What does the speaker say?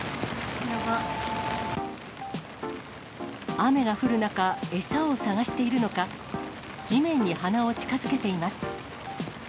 雨が降る中、餌を探しているのか、地面に鼻を近づけています。